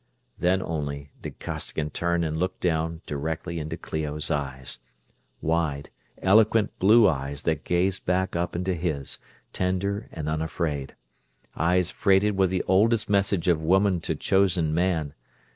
Then only did Costigan turn and look down, directly into Clio's eyes. Wide, eloquent blue eyes that gazed back up into his, tender and unafraid; eyes freighted with the oldest message of woman to chosen man.